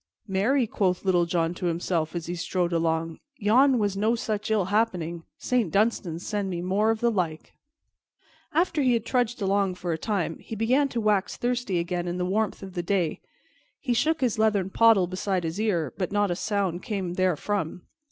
"Marry," quoth Little John to himself, as he strode along, "yon was no such ill happening; Saint Dunstan send me more of the like." After he had trudged along for a time he began to wax thirsty again in the warmth of the day. He shook his leathern pottle beside his ear, but not a sound came therefrom.